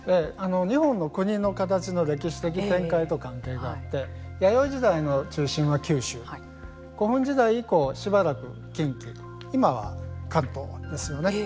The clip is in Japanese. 日本の国の形の歴史的展開と関係があって弥生時代の中心は九州古墳時代以降、しばらく近畿今は関東ですよね。